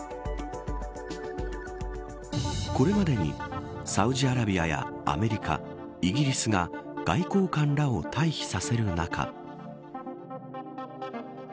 これまでにサウジアラビアやアメリカイギリスが外交官らを退避させる中。